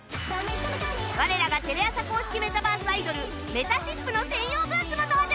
我らがテレ朝公式メタバースアイドルめたしっぷの専用ブースも登場！